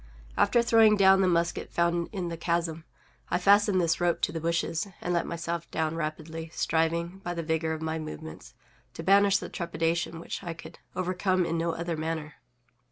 After throwing down the musket found in the chasm, I fastened this rope to the bushes, and let myself down rapidly, striving, by the vigor of my movements, to banish the trepidation which I could overcome in no other manner.